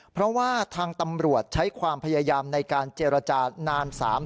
เพราะว่าทางตำรวจใช้ความพยายามในการเจรจานาน๓๐